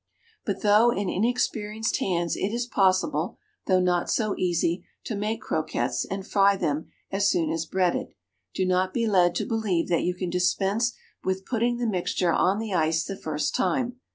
But though in experienced hands it is possible (though not so easy) to make croquettes and fry them as soon as breaded, do not be led to believe that you can dispense with putting the mixture on the ice the first time.